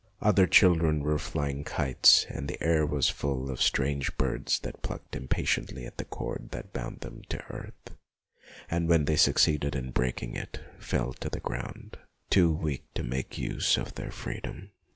Other children were flying kites, and the air was full of strange birds that plucked impatiently at the cord that bound them to earth, and, when they succeeded in breaking it, fell to the ground, too weak to make use of their freedom.